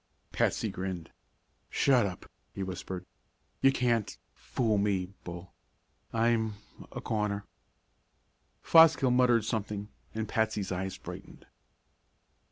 Patsy grinned. "Shut up!" he whispered. "You can't fool me, Bull. I'm a goner." Fosgill muttered something and Patsy's eyes brightened.